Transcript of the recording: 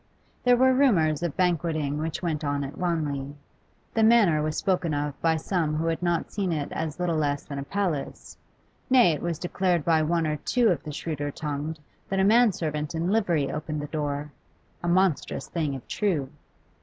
There were rumours of banqueting which went on at Wanley; the Manor was spoken of by some who had not seen it as little less than a palace nay, it was declared by one or two of the shrewder tongued that a manservant in livery opened the door, a monstrous thing if true.